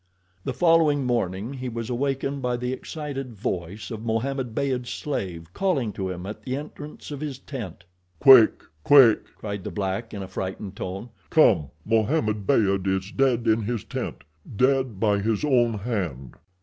The following morning he was awakened by the excited voice of Mohammed Beyd's slave calling to him at the entrance of his tent. "Quick! Quick!" cried the black in a frightened tone. "Come! Mohammed Beyd is dead in his tent—dead by his own hand."